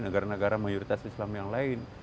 negara negara mayoritas islam yang lain